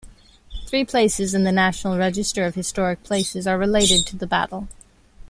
Three places in the National Register of Historic Places are related to the battle.